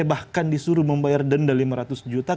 bahkan disuruh membayar denda lima ratus juta